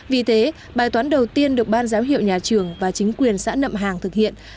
vì thế bài toán đầu tiên được ban giám hiệu nhà trường và chính quyền xã nậm hàng thực hiện